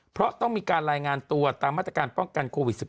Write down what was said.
เพราะต้องมีการรายงานตัวตามมาตรการป้องกันโควิด๑๙